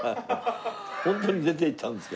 ホントに出ていったんですか？